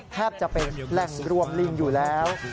แทบจะเป็นแหล่งรวมลิงอยู่แล้ว